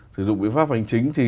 sử dụng biện pháp hành chính thì